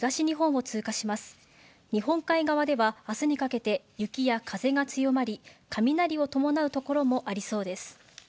日本海側では、あすにかけて雪や風が強まり、雷を伴う所もありそうです。